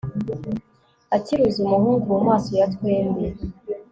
akiruzi umuhungu mu maso ya twembi